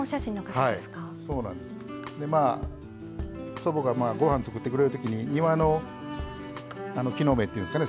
祖母がご飯作ってくれるときに庭の木の芽っていうんですかね